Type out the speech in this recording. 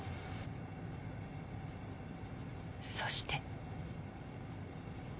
そして。